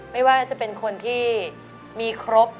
ไม่ว่าจะเป็นคนที่มีครบ